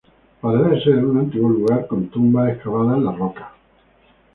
Parece ser un antiguo lugar con tumbas excavadas en la roca.